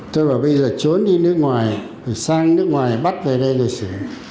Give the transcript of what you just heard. tôi bảo bây giờ trốn đi nước ngoài rồi sang nước ngoài bắt về đây để xử